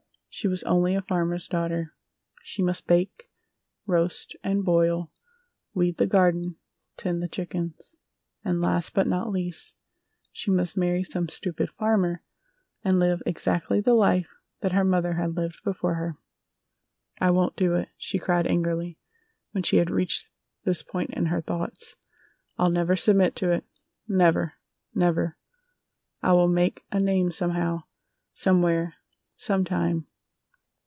She was only a farmer's daughter! She must bake, roast and boil, weed the garden, tend the chickens, and last but not least, she must marry some stupid farmer and live exactly the life that her mother had lived before her. "I won't do it!" she cried, angrily, when she had reached this point in her thoughts. "I'll never submit to it! Never! Never! I will make a name somehow, somewhere, some time!